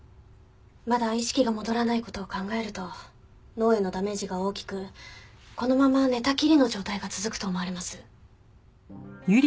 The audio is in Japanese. まだ意識が戻らない事を考えると脳へのダメージが大きくこのまま寝たきりの状態が続くと思われます。